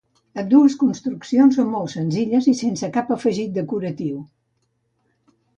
Ambdues construccions són molt senzilles i sense cap afegit decoratiu.